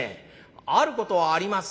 あることはあります」。